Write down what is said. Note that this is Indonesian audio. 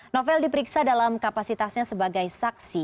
novel diperiksa dalam kapasitasnya sebagai saksi